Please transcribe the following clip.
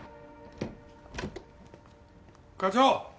課長！